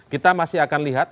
kita masih akan lihat